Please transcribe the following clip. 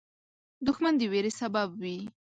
دښمن د ویرې سبب وي